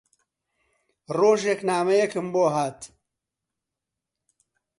ڕۆژێک نامەیەکم بۆ هات